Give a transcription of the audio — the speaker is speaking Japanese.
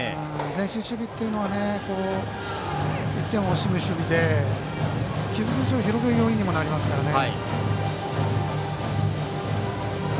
前進守備というのは１点を惜しむ守備で傷口を広げる要因にもなりますからね。